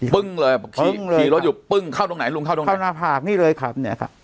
ึ้งเลยขี่รถอยู่ปึ้งเข้าตรงไหนลุงเข้าตรงเข้าหน้าผากนี่เลยครับเนี่ยครับ